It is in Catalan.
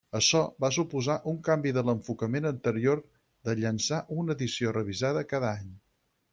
Açò va suposar un canvi de l'enfocament anterior de llançar una edició revisada cada any.